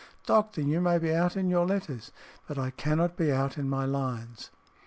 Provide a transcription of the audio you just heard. Doctor, you may be out in your letters, but I cannot be out in my lines."